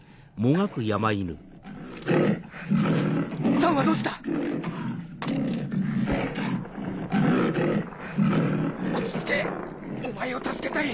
サンはどうした⁉落ち着けお前を助けたい。